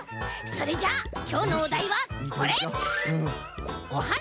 それじゃあきょうのおだいはこれ！